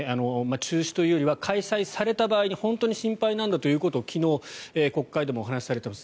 中止というよりは開催された場合に本当に心配なんだということを昨日、国会でもお話されています。